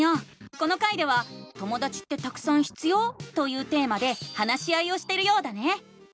この回では「ともだちってたくさん必要？」というテーマで話し合いをしてるようだね！